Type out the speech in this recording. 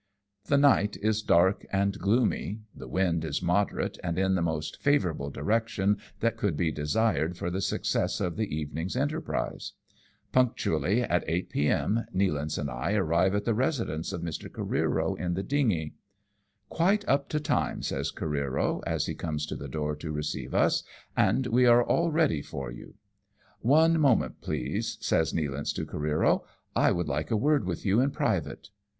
The night is dark and gloomy ; the wind is moderate and in the most favourable direction that could be desired for the success of the evening's enterprise. Punctually at eight p.m. Nealance and I arrive at the residence of Mr. Oareero in the dingy. " Quite up to time," says Careero, as he comes to the door to receive us, " and we are all ready for you." "Onemomentj please," says Nealance to Careero, "I ■would like a word with you in private."